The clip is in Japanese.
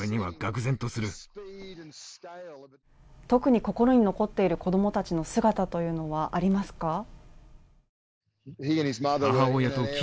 特に心に残っている子供たちの姿というのはありますか？